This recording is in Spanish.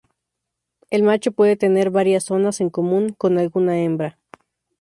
El macho puede tener varias zonas en común con alguna hembra.